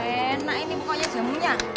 enak ini pokoknya jamunya